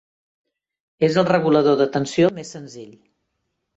És el regulador de tensió més senzill.